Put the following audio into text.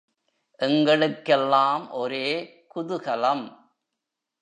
எங்களுக்கெல்லாம் ஒரே குதுகலம்.